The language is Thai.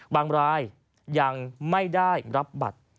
บางรายยังไม่ได้รับบัตร